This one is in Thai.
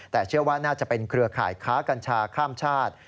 แต่เชื่อว่าน่าจะเป็นเครือข่ายค้ากัญชาข้ามชาติ